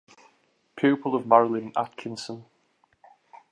Pupil of Marilyn Atkinson.